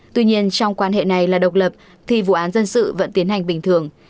tuy nhiên trong quan hệ này là độc lập thì vụ án dân sự vẫn tiến hành bình thường